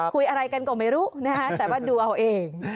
คุยอะไรกันก็ไม่รู้นะฮะแต่ว่าดูเอาเอง